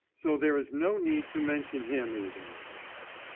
So there is no need to mention him even.